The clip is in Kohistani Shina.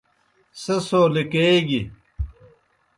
سہ سو لِکیگیئیْ